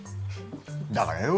だからよ。